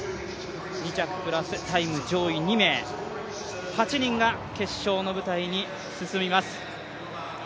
２着プラスタイム上位２名、８人が決勝の舞台に進みます。